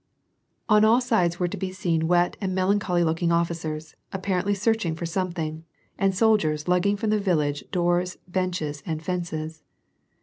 On all sides were to be seen wet and melancholy looking officers, apparently searching for something, and soldiers lug ging from the village doors, benches and fences.